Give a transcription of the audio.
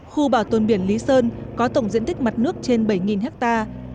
khu bảo tồn biển lý sơn có tổng diện tích mặt nước trên bảy hectare